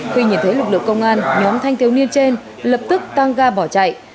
khi nhìn thấy lực lượng công an nhóm thanh thiếu niên trên lập tức tăng ga bỏ chạy